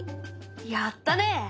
やったね！